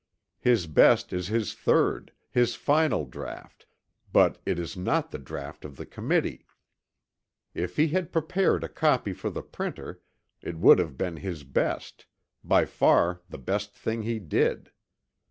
His best is his third, his final draught, but it is not the draught of the Committee. If he had prepared a copy for the printer, it would have been his best by far the best thing he did.